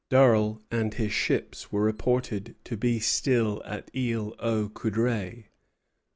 Durell and his ships were reported to be still at Isle aux Coudres.